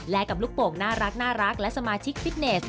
และกับลูกโป่งน่ารักและสมาชิกฟิตเนส